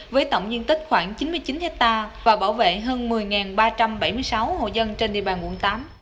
với tổng diện tích khoảng chín mươi chín hectare và bảo vệ hơn một mươi ba trăm bảy mươi sáu hộ dân trên địa bàn quận tám